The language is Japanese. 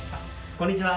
こんにちは。